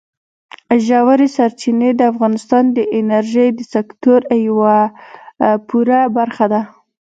ژورې سرچینې د افغانستان د انرژۍ د سکتور یوه پوره برخه ده.